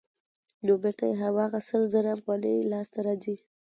نو بېرته یې هماغه سل زره افغانۍ لاسته راځي